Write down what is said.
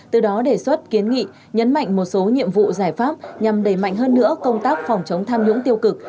từ đó đề xuất kiến nghị nhấn mạnh một số nhiệm vụ giải pháp nhằm đẩy mạnh hơn nữa công tác phòng chống tham nhũng tiêu cực